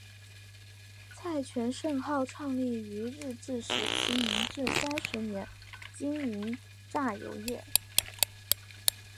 蔡泉盛号创立于日治时期明治三十年经营榨油业。